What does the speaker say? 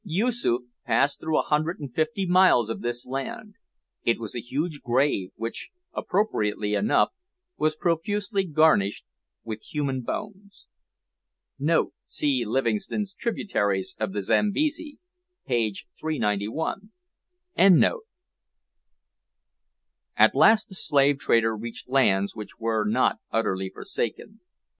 Yoosoof passed through a hundred and fifty miles of this land; it was a huge grave, which, appropriately enough, was profusely garnished with human bones. [See Livingstone's Tributaries of the Zambesi, page 391.] At last the slave trader reached lands which were not utterly forsaken.